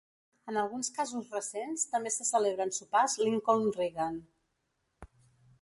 En alguns casos recents també se celebren sopars Lincoln-Reagan.